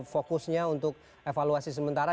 fokusnya untuk evaluasi sementara